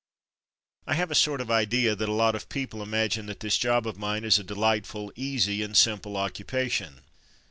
I have a sort of idea that a lot of people imagine that this job of mine is a delightful, easy, and simple occupation.